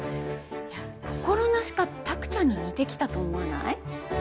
心なしか卓ちゃんに似てきたと思わない？